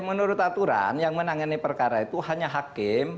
menurut aturan yang menangani perkara itu hanya hakim